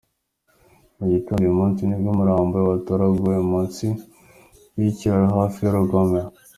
Mu gitondo uyu munsi nibwo umurambo we watoraguwe munsi y’ikiraro hafi y’urugomero.